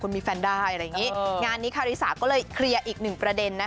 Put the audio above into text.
หนูยินดีให้เขาไปมีแฟนใหม่เขาก็ให้หนูใช้ชุดของหนู